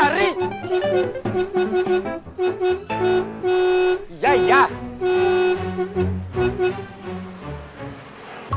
hei jangan lari